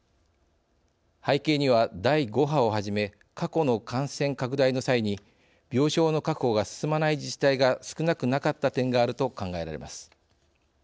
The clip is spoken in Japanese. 背景には、第５波をはじめ過去の感染拡大の際に病床の確保が進まない自治体が少なくなかった点があると考えられます。